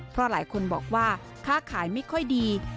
เพราะหลายคนบอกว่าค้าขายไม่ค่อยดี